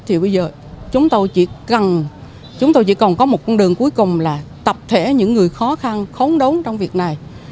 thì bây giờ chúng tôi chỉ cần chúng tôi chỉ cần có một con đường cuối cùng là tập thể những người khó khăn khó đấu trong việc này